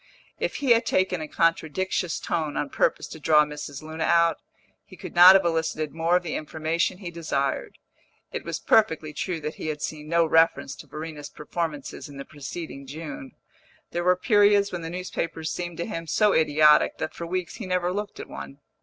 If he had taken a contradictious tone on purpose to draw Mrs. Luna out, he could not have elicited more of the information he desired. It was perfectly true that he had seen no reference to Verena's performances in the preceding June; there were periods when the newspapers seemed to him so idiotic that for weeks he never looked at one.